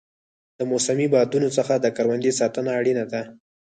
د موسمي بادونو څخه د کروندې ساتنه اړینه ده.